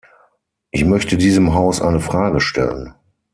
Ich möchte diesem Haus eine Frage stellen.